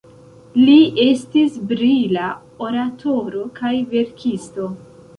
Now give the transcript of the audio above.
Li estis brila oratoro kaj verkisto.